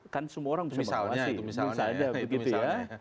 kan semua orang bisa mengawasi